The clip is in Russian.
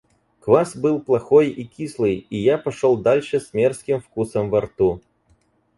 Квас был плохой и кислый, и я пошел дальше с мерзким вкусом во рту.